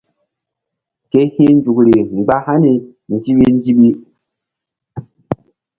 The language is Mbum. Ke hi̧ nzukri mgba hani ndiɓi ndiɓi.